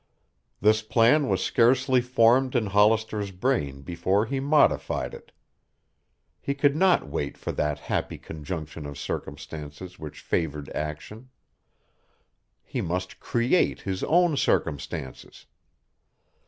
This plan was scarcely formed in Hollister's brain before he modified it. He could not wait for that happy conjunction of circumstances which favored action. He must create his own circumstances.